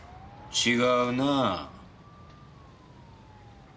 違うな。